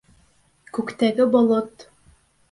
Күктәге болот!